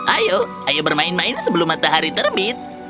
ayo ayo bermain main sebelum matahari terbit